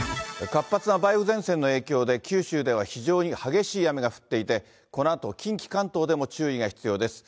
活発な梅雨前線の影響で、九州では非常に激しい雨が降っていて、このあと近畿、関東でも注意が必要です。